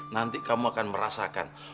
nanti kamu akan merasakan